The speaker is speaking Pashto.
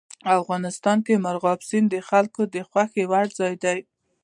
افغانستان کې مورغاب سیند د خلکو د خوښې وړ ځای دی.